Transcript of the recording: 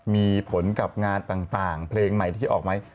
มีผลกับงานต่างเพลงใหม่ที่ออกไหม